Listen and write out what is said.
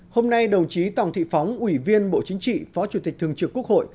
hôm nay đồng chí tòng thị phóng ủy viên bộ chính trị phó chủ tịch thường trực quốc hội